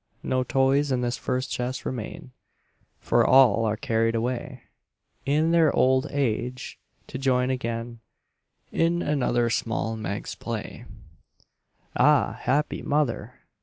No toys in this first chest remain, For all are carried away, In their old age, to join again In another small Meg's play. Ah, happy mother!